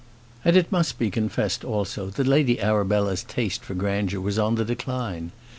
And it must be confessed, also, that Lady Arabella's taste for grandeur was on the decline.